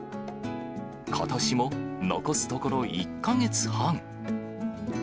ことしも残すところ１か月半。